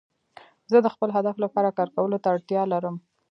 زه د خپل هدف لپاره کار کولو ته اړتیا لرم.